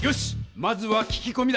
まずは聞きこみだ！